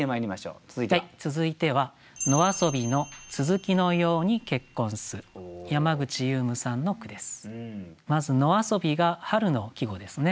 続いてはまず「野遊び」が春の季語ですね。